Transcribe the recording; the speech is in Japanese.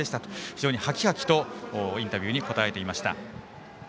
非常にはきはきとインタビューに答えていました。